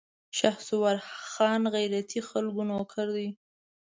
شهسوار خان د غيرتي خلکو نوکر دی.